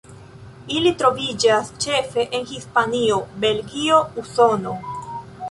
Ili troviĝas ĉefe en Hispanio, Belgio, Usono.